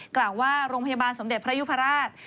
กล่าวว่าโรงพยาบาลสมเด็จพระยุพราช